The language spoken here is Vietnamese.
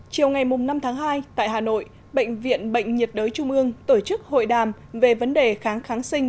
chiều ngày năm tháng hai tại hà nội bệnh viện bệnh nhiệt đới trung ương tổ chức hội đàm về vấn đề kháng kháng sinh